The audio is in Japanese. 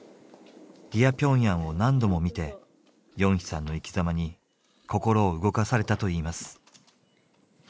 「ディア・ピョンヤン」を何度も見てヨンヒさんの生きざまに心を動かされたと言います。